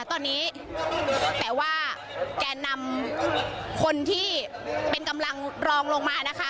ตอนนี้แต่ว่าแก่นำคนที่เป็นกำลังรองลงมานะคะ